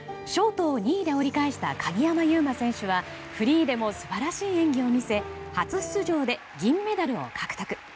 ショートを２位で折り返した鍵山優真選手はフリーでも素晴らしい演技を見せ初出場で銀メダルを獲得。